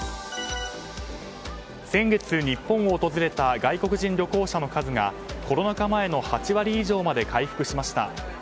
先月、日本を訪れた外国人旅行者の数がコロナ禍前の８割以上にまで回復しました。